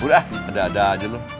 udah ada ada aja loh